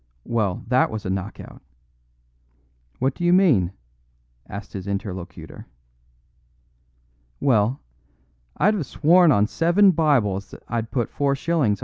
Well, that was a knock out." "What do you mean?" asked his interlocutor. "Well, I'd have sworn on seven Bibles that I'd put 4s.